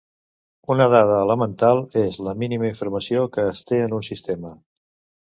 Una dada elemental és la mínima informació que es té en un sistema.